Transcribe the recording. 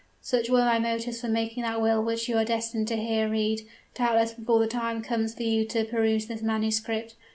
"Such were my motives for making that will which you are destined to hear read, doubtless before the time comes for you to peruse this manuscript.